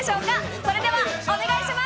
それではお願いします。